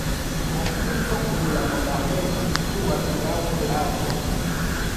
La kirko kun la monaĥejo situas laŭ placo.